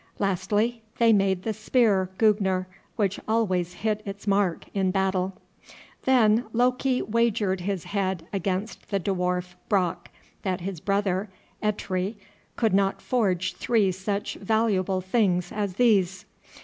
Lastly, they made the spear Gugner, which always hit its mark in battle. Then Loki wagered his head against the dwarf Brock, that his brother, Eitri, could not forge three such valuable things as these.